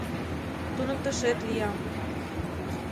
— Туныктышет лиям.